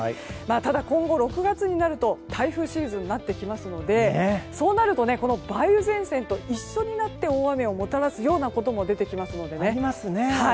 ただ、今後６月になると台風シーズンになってきますのでそうなると梅雨前線と一緒になって大雨をもたらすようなこともありますので。